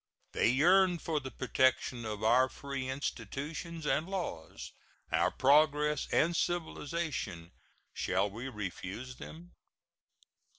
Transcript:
They yearn for the protection of our free institutions and laws, our progress and civilization. Shall we refuse them?